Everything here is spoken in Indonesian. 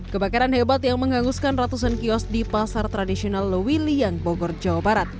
kebakaran hebat yang mengganguskan ratusan kios di pasar tradisional lewili yang bogor jawa barat